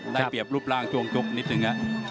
ได้เปรียบรูปรางจงจกลิ้นนิดนึง